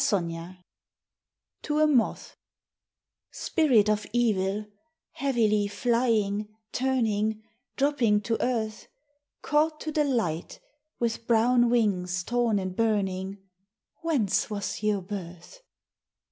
XVII To a Moth Spirit of evil, heavily flying, turning, Dropping to earth, Caught to the light, with brown wings torn and burning, Whence was your birth?